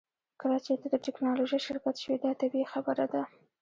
کله چې ته د ټیکنالوژۍ شرکت شوې دا طبیعي خبره ده